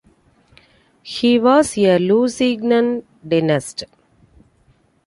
He was a Lusignan dynast.